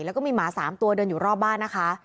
แล้วก็มีหมา๓ตัวเดินอยู่รอบบ้านนะคะ